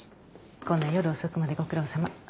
こんな夜遅くまでご苦労さま。